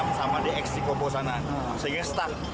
di ti delapan puluh enam sama di xc kompos sana sehingga stuck